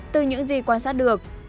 từ những gì quan sát được